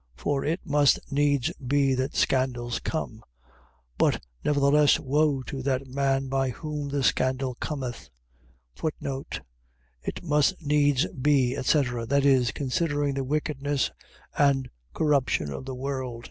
For it must needs be that scandals come: but nevertheless woe to that man by whom the scandal cometh. It must needs be, etc. . .Viz., considering the wickedness and corruption of the world.